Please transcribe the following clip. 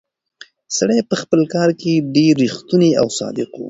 سړی په خپل کار کې ډېر ریښتونی او صادق و.